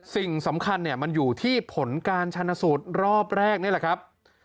สิ่งสำคัญเนี่ยมันอยู่ที่ผลการชนสูตรรอบแรกนี่แหละครับ